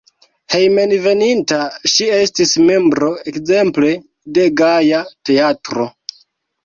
Hejmenveninta ŝi estis membro ekzemple de Gaja Teatro.